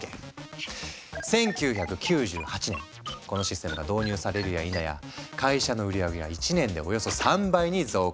１９９８年このシステムが導入されるやいなや会社の売上げは１年でおよそ３倍に増加。